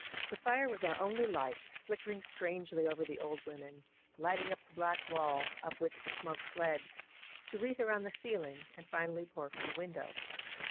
The fire was our only light, flickering strangely over the old women; lighting up the black wall, up which the smoke fled, to wreathe around the ceiling and finally pour from the window.